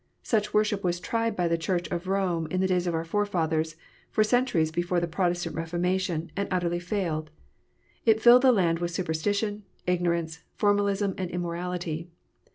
Such worship was tried by the Church of Rome in the days of our forefathers, for centuries before the Protestant Reformation, and utterly failed. It filled the land with superstition, ignorance, formalism, and immorality.